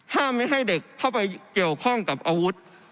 ไม่ให้เด็กเข้าไปเกี่ยวข้องกับอาวุธ